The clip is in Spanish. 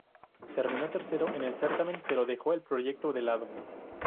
Terminó tercero en el certamen, pero dejó el proyecto de lado.